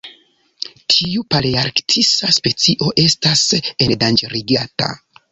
Tiu palearktisa specio estas endanĝerigata.